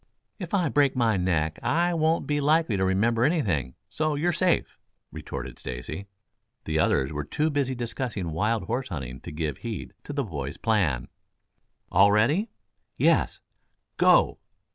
"If I break my neck I won't be likely to remember anything, so you're safe," retorted Stacy. The others were too busy discussing wild horse hunting to give heed to the boys' plan. "All ready!" "Yes." "Go!"